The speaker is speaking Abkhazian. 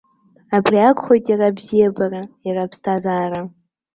Абри акәхоит иара абзиабара, иара аԥсҭазаара.